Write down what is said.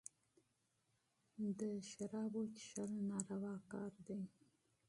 د شرابو څېښل ناروا کار دئ.